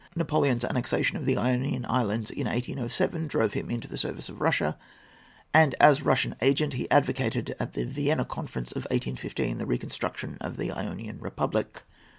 Napoleon's annexation of the Ionian Islands in 1807 drove him into the service of Russia, and, as Russian agent, he advocated, at the Vienna Conference of 1815, the reconstruction of the Ionian republic.